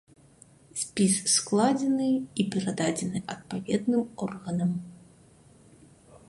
Спіс складзены і перададзены адпаведным органам.